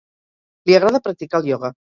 Li agrada practicar el ioga.